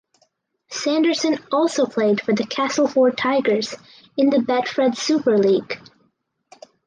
Sanderson also played for the Castleford Tigers in the Betfred Super League.